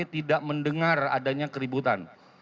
tidak mendengar adanya keributan